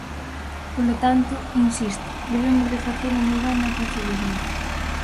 Polo tanto, insisto, debemos de facelo moi ben na Consellería.